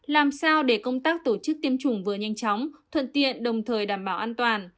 làm sao để công tác tổ chức tiêm chủng vừa nhanh chóng thuận tiện đồng thời đảm bảo an toàn